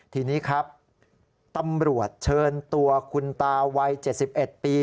ทีนี้ครับตำรวจเชิญตัวคุณตาวัย๗๑ปี